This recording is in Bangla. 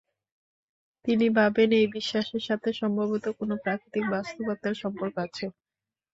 তিনি ভাবেন, এই বিশ্বাসের সাথে সম্ভবত কোন প্রাকৃতিক বাস্তবতার সম্পর্ক আছে।